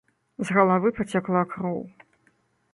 З галавы пацякла кроў.